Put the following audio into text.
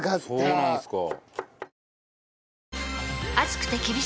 そうなんですか。